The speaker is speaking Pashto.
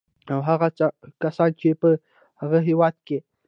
او هغه کسان چې په هغه هېواد کې